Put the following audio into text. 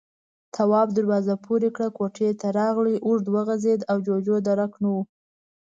تواب دروازه پورې کړه، کوټې ته راغی، اوږد وغځېد، د جُوجُو درک نه و.